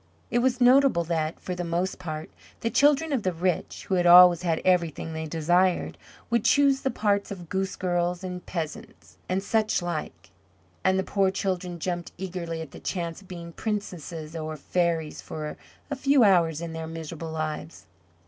It was noticeable that, for the most part, the children of the rich, who had always had everything they desired, would choose the parts of goose girls and peasants and such like; and the poor children jumped eagerly at the chance of being princesses or fairies for a few hours in their miserable lives.